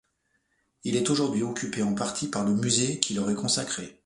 Il est aujourd’hui occupé en partie par le musée qui leur est consacré.